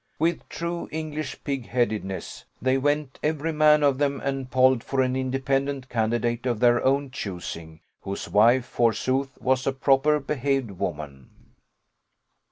With true English pig headedness, they went every man of them and polled for an independent candidate of their own choosing, whose wife, forsooth, was a proper behaved woman.